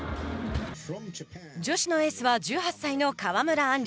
女子のエースは１８歳の川村あんり。